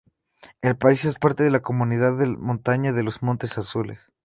El país es parte de la Comunidad de montaña de los Montes Azules.